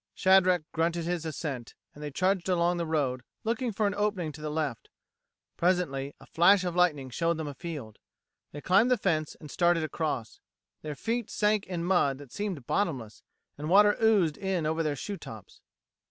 Shadrack grunted his assent, and they trudged along the road, looking for an opening to the left. Presently a flash of lightning showed them a field. They climbed the fence and started across. Their feet sank in mud that seemed bottomless, and water oozed in over their shoe tops.